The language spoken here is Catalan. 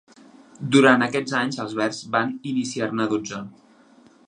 Durant aquests anys, els verds van iniciar-ne dotze.